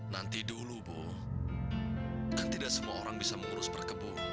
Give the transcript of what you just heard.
nanti dulu bu kan tidak semua orang bisa mengurus perkebun